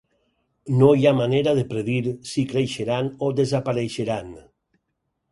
No hi ha manera de predir si creixeran o desapareixeran.